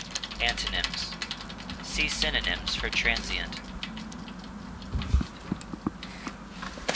Antonyms: See synonyms for TRANSIENT.